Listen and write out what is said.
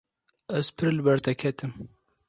Ez pir li ber te ketim.